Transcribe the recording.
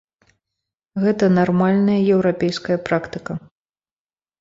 Гэта нармальная еўрапейская практыка.